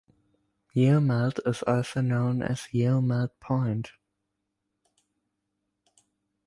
Yeomalt is also known as Yeomalt Point.